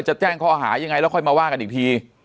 จะแจ้งข้อหายังไงแล้วค่อยมาว่ากันอีกที